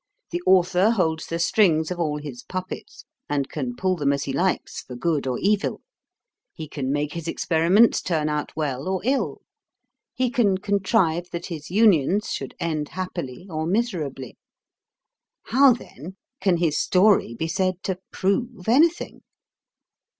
The author holds the strings of all his puppets, and can pull them as he likes, for good or evil: he can make his experiments turn out well or ill: he can contrive that his unions should end happily or miserably: how, then, can his story be said to PROVE anything?